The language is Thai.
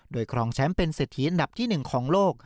โดยครองแชมป์เป็นเศรษฐีอันดับที่๑ของโลก